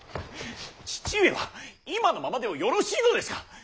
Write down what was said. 父上は今のままでよろしいのですか。